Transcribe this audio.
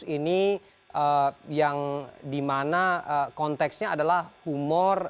ini yang dimana konteksnya adalah humor